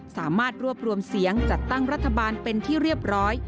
สามารถรวบรวมเสียงจัดตั้งรัฐบาลเป็นที่เรียบร้อย